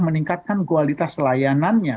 meningkatkan kualitas layanannya